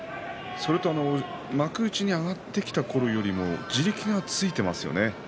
再度幕内に上がってきたころよりも地力がついていますよね。